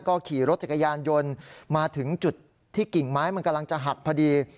ก็ขี่รถจักรยานยนต์มาถึงจุดที่กิ่งไม้มันกำลังจะหักพอดี